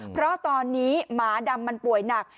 เพราะตอนนี้หมาดำมันป่วยหนัก